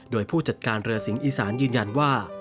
โดยผู้จัดการเรือสิงห์อีสานยืนยันว่า